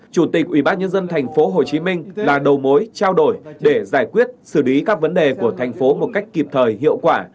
chủ tịch ubnd tp hcm là đầu mối trao đổi để giải quyết xử lý các vấn đề của thành phố một cách kịp thời hiệu quả